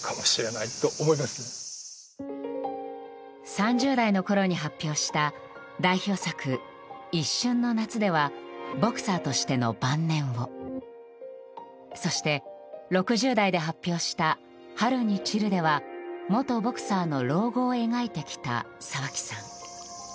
３０代のころに発表した代表作「一瞬の夏」ではボクサーとしての晩年をそして６０代で発表した「春に散る」では元ボクサーの老後を描いてきた沢木さん。